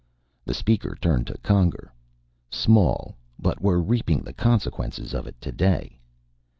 The Speaker turned to Conger. "Small, but we're reaping the consequences of it today."